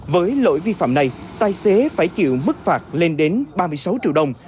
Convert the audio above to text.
với lỗi vi phạm này tài xế phải chịu mức phạt lên đến ba mươi sáu triệu đồng